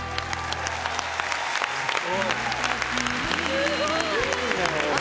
すごい！